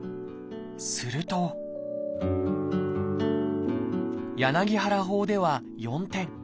すると柳原法では４点。